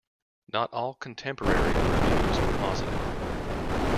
Not all contemporary reviews were positive.